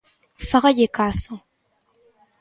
Fágalle caso.